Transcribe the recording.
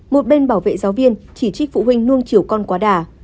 một bên bảo vệ giáo viên chỉ trích phụ huynh luông chiều con quá đà